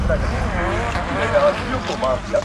چلېدل يې په ښارونو كي حكمونه٫